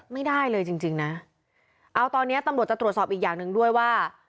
ไม่ได้เลยจริงจริงนะเอาตอนนี้ตำรวจจะตรวจสอบอีกอย่างหนึ่งด้วยว่า